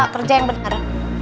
kerja yang benar